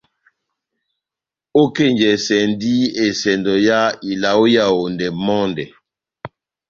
Ókenjɛsɛndi esɛndo yá ila ó Yaondɛ mɔndɛ.